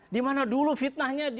di mana dulu fitnahnya